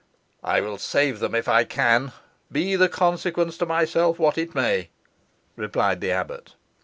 "I will save them if I can, be the consequence to myself what it may," replied the abbot.